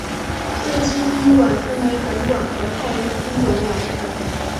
瑞金宾馆分为本馆和太原路分馆两部份。